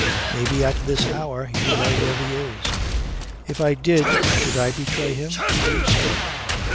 Maybe at this hour you know where he is." "If I did, should I betray him to you, sir?"